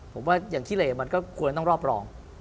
ผมว่าอย่างขี้เลมันก็ควรต้องรอบรอง